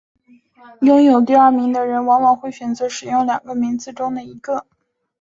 拥有第二名的人往往会选择使用两个名字中的一个。